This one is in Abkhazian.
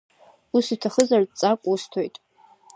Ус уҭахызар, дҵак усҭоит.